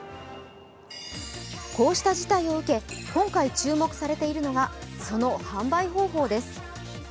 こうした事態を受け、今回注目されているのが、その販売方法です。